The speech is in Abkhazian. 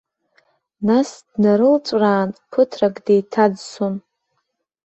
Нас днарылҵәраан, ԥыҭрак деиҭаӡсон.